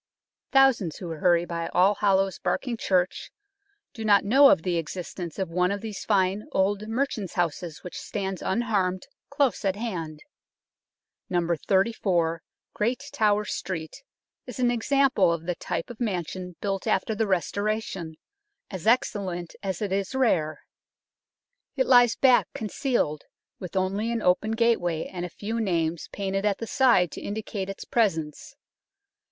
Thousands who hurry by Allhallows Barking Church do not know of the existence of one of these fine old merchants' houses which stands unharmed close at hand. No. 34 Great Tower Street is an example of the type of mansion built after the Restoration, as excellent as it is rare. It lies back concealed, with only an open gateway and a few names painted at the side to indicate its presence.